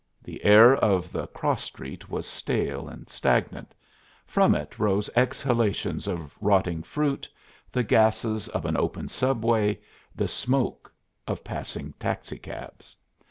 The air of the cross street was stale and stagnant; from it rose exhalations of rotting fruit, the gases of an open subway, the smoke of passing taxicabs.